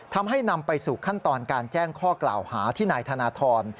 ทำให้นำไปสู่ขั้นตอนการแจ้งข้อกล่าวหาที่นายธนทร